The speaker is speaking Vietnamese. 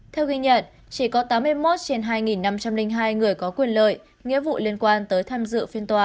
theo ghi nhận chỉ có tám mươi một trên hai năm trăm linh hai người có quyền lợi nghĩa vụ liên quan tới tham dự phiên tòa